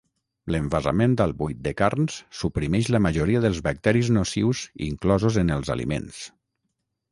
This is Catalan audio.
L'envasament al buit de carns suprimeix la majoria dels bacteris nocius inclosos en els aliments.